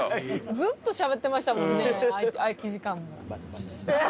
ずっとしゃべってましたもんね空き時間も。